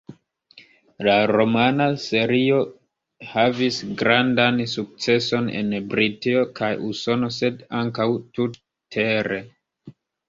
La romana serio havis grandan sukceson en Britio kaj Usono sed ankaŭ tut-tere.